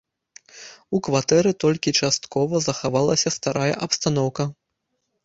У кватэры толькі часткова захавалася старая абстаноўка.